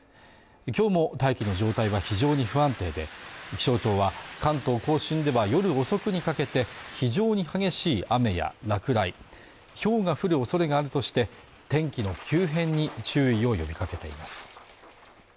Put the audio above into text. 今日も大気の状態が非常に不安定で気象庁は関東甲信では夜遅くにかけて非常に激しい雨や落雷ひょうが降るおそれがあるとして天気の急変に注意を呼びかけています